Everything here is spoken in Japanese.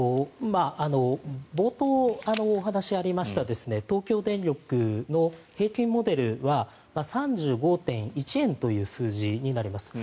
冒頭、お話がありました東京電力の平均モデルは３５．１円という数字になります。